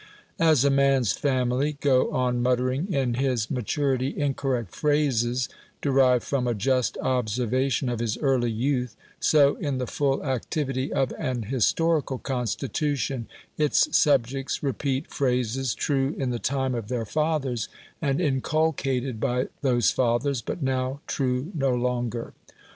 As a man's family go on muttering in his maturity incorrect phrases derived from a just observation of his early youth, so, in the full activity of an historical constitution, its subjects repeat phrases true in the time of their fathers, and inculcated by those fathers, but now true no longer.